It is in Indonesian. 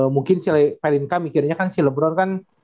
mungkin si pelinka mikirnya kan si lebron kan